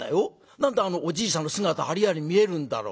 何であのおじいさんの姿ありあり見えるんだろう？